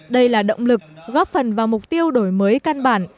đây là động lực góp phần vào mục tiêu đổi mới căn bản